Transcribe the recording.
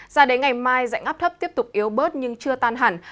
ra đến ngày mai dạnh áp thấp tiếp tục yếu bớt nhưng chưa tan hẳn